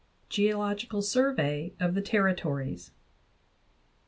GEOLOGICAL SURVEY OF THE TERRITORIES.